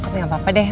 nggak apa apa deh